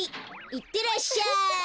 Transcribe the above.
いってらっしゃい！